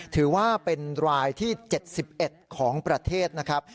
ถือว่าเป็นรายที่๗๑ของประเทศนะครับ